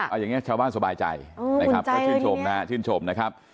เอาอย่างนี้ชาวบ้านสบายใจชื่นชมนะครับ